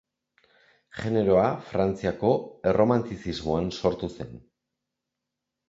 Generoa Frantziako Erromantizismoan sortu zen.